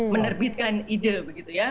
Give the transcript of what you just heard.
menerbitkan ide begitu ya